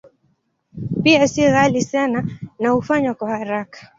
Pia si ghali sana na hufanywa kwa haraka.